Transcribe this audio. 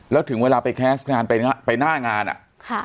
แล้วถึงเวลาไปแคสต์งานไปหน้างานอ่ะค่ะ